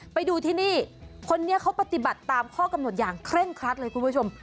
ไปดูที่นี่คนนี้เขาปฏิบัติตามข้อกำหนดอย่างเคร่งครัดเลยคุณผู้ชม